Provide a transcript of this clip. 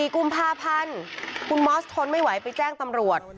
๔กุมภาพันธ์คุณมอสทนไม่ไหวไปแจ้งตำรวจ